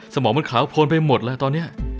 สมองมันขาวโพนไปหมดแล้วตอนนี้